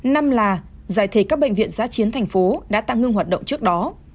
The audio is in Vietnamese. năm là giải thể các bệnh viện giã chiến thành phố đã tạm ngưng hoạt động trước đó